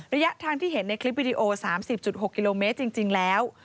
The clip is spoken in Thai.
ระยะทางที่เห็นในคลิปวิดีโอ๓๐๖กิโลเมตรจริงแล้ว